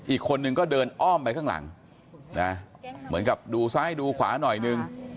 อีกคนนึงก็เดินอ้อมไปข้างหลังนะเหมือนกับดูซ้ายดูขวาหน่อยนึง